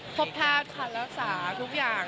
พบแพทย์ค่ะรักษาทุกอย่าง